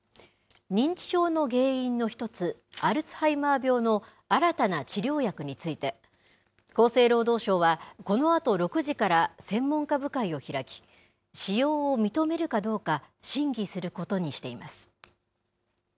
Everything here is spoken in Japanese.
認知症の原因の一つ、アルツハイマー病の新たな治療薬について、厚生労働省はこのあと６時から専門家部会を開き、使用を認めるかどうか、審議することにしています。